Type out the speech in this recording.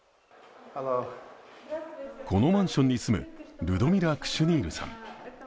このマンションに住むルドミラ・クシュニールさん。